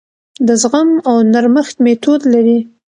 د زغم او نرمښت میتود لري.